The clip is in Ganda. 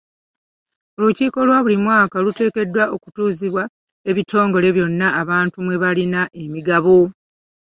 Olukiiko olwa buli mwaka oluteekeddwa okutuuzibwa ebitongole byonna abantu mwe balina emigabo.